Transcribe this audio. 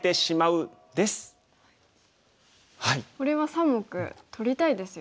これは３目取りたいですよね。